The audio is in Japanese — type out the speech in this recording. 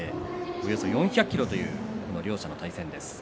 およそ４００ｋｇという両者の対戦です。